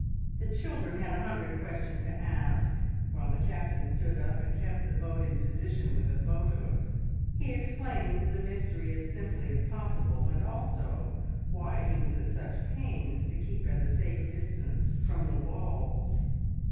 The children had a hundred questions to ask, while the Captain stood up and kept the boat in position with a boat hook. He explained the mystery as simply as possible, and also why he was at such pains to keep at a safe distance from the walls.